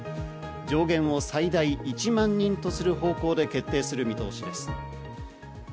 上限を最大１万人とする方向で決定する見通しです。